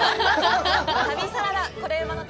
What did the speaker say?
旅サラダ「コレうまの旅」